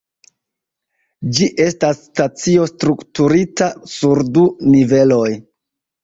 Ĝi estas stacio strukturita sur du niveloj.